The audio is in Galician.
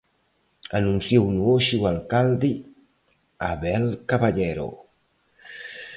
Anunciouno hoxe o alcalde, Abel Caballero.